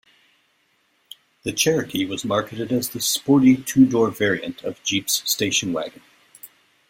The Cherokee was marketed as the "sporty" two-door variant of Jeep's station wagon.